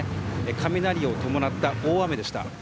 雷を伴った大雨でした。